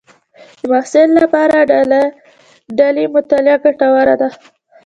د محصل لپاره ډلې مطالعه ګټوره ده.